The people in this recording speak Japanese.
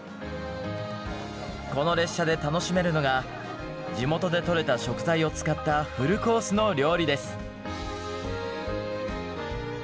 この列車で楽しめるのが地元で採れた食材を使ったフルコースの料理です。